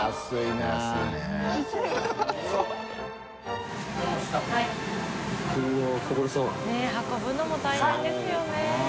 ねぇ運ぶのも大変ですよねうん。